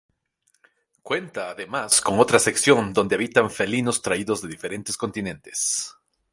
Cuenta además con otra sección donde habitan felinos traídos de diferentes continentes.